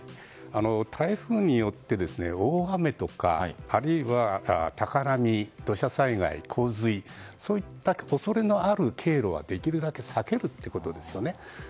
台風によって大雨とか、あるいは高波土砂災害、洪水そういった恐れのある経路はできるだけ避けることですね。